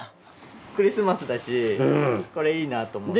クリスマスだしこれいいなと思って。